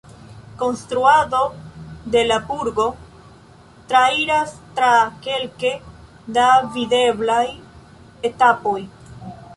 Konstruado de la burgo trairis tra kelke da videblaj etapoj.